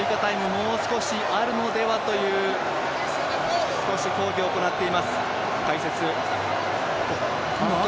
もう少しあるのではという少し抗議を行っています。